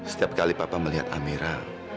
setiap kali papa melihat amira